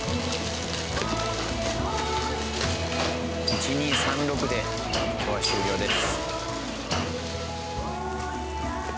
１２３６で今日は終了です。